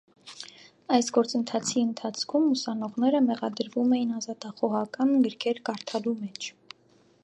Այս գործի ընթացքում ուսանողները մեղադրվում էին ազատախոհական գրքեր կարդալու մեջ։